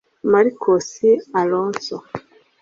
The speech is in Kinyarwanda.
Marcos Alonso